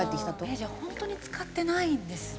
じゃあ本当に使ってないんですね。